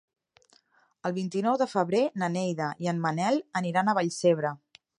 El vint-i-nou de febrer na Neida i en Manel aniran a Vallcebre.